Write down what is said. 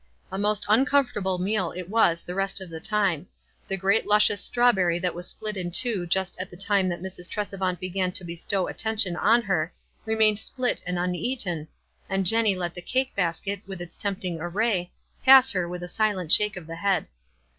A most uncomfortable meal it was the rest of the time ; the great luscious strawberry that was split in two just at the time that Mrs. Tresevant began to bestow attention on her, remained split and uneaten, and Jenny il$ WISE AND OTHERWISE. let tae cake basket, with its tempting array 2 pass her with a silent shake of the head.